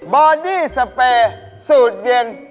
บอดี้โสปเปร์สูดเย็น